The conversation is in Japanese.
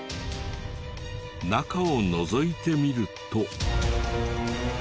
中をのぞいてみると。